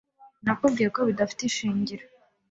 Nakubwiye ko bidafite ishingiro.